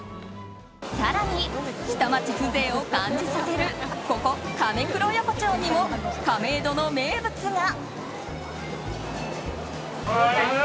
更に下町風情を感じさせるここ、カメクロ横丁にも亀戸の名物が。